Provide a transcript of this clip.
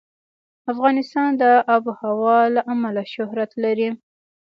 افغانستان د آب وهوا له امله شهرت لري.